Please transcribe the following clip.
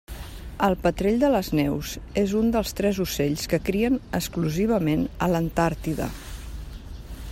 El petrell de les neus és un dels tres ocells que crien exclusivament a l'Antàrtida.